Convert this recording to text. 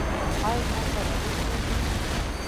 آیا لمر به راوخیږي؟